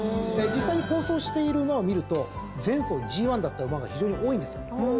実際に好走をしている馬を見ると前走ＧⅠだった馬が非常に多いんですよ。